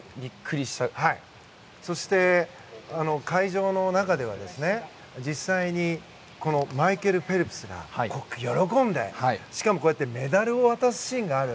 そして、会場の中では実際にマイケル・フェルプスが喜んで、しかもメダルを渡すシーンがある。